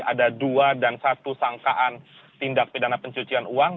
ada dua dan satu sangkaan tindak pidana pencucian uang